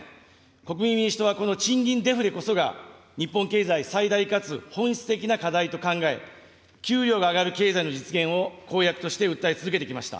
国民民主党はこの賃金デフレこそが、日本経済最大かつ、本質的な課題と考え、給与が上がる経済の実現を公約として訴え続けてきました。